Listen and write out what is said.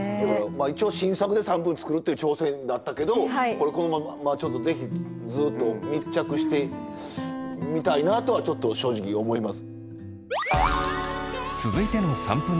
一応新作で３分作るっていう挑戦だったけどこれこのままちょっとぜひずっと密着してみたいなとはちょっと正直思います。